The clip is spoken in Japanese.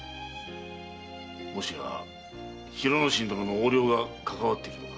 もしや広之進殿の横領がかかわっているのか？